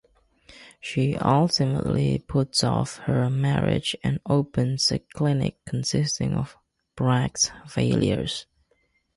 She ultimately puts off her marriage and opens a clinic consisting of Brack's failures.